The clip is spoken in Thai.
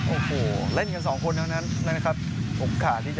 โอ้โหเล่นกันสองคนเท่านั้นนะครับโอ้โหค่ะที่จะ